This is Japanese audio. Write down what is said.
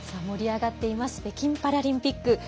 盛り上がっています北京パラリンピック。